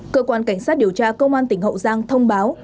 cơ quan cảnh sát điều tra công an tỉnh hậu giang thông báo